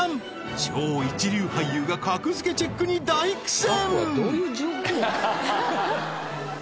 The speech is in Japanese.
超一流俳優が格付けチェックに大苦戦！